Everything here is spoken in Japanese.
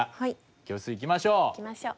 教室行きましょう。